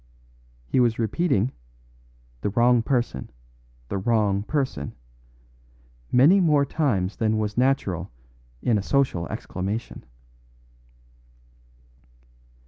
He was repeating, "The wrong person the wrong person," many more times than was natural in a social exclamation.